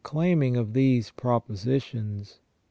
139 claiming of these propositions.